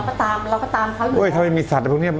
ก็คือป่าเขาก็เลี้ยงมานานแล้วไม่ได้พึ่งเลี้ยงเราก็ตามเขาอยู่